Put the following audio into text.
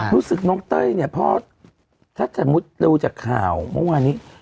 รู้สึกน้องเต้ยเนี่ยพ่อถ้าสมมุติดูจากข่าวเมื่อวานนี้